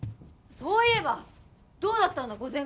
そういえばどうなったんだ御前